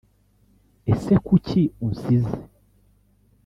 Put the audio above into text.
Ese kuki unsize